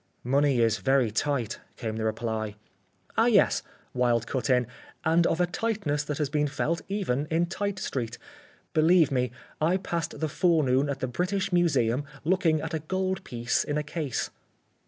"Money is very tight," came the reply. "Ah, yes," Wilde cut in. "And of a tightness that has been felt even in Tite street. Believe me, I passed the forenoon at the British Museum looking at a gold piece in a case."